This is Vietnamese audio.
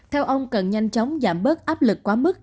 theo ông cần nhanh chóng giảm bớt áp lực quá mức